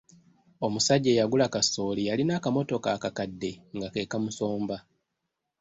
Omusajja eyagula kasooli yalina akamotoka akakadde nga ke kamusomba.